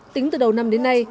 tính từ đầu năm đến nay